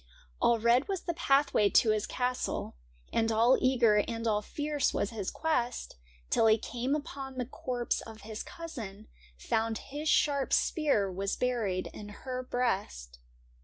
All red was the pathway to his castle, And all eager and all fierce was his quest, Till he came upon the corpse of his cousin — Found his sharp spear was buried in her breast.